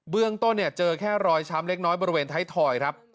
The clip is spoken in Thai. เรื่องต้นเนี่ยเจอแค่รอยช้ำเล็กน้อยบริเวณไทยทอยครับ